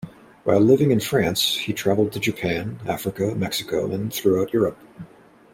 While living in France, he traveled to Japan, Africa, Mexico, and throughout Europe.